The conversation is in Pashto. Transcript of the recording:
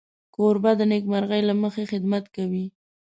کوربه د نېکمرغۍ له مخې خدمت کوي.